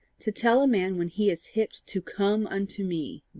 To tell a man when he is hipped to COME UNTO ME!